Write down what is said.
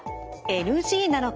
ＮＧなのか？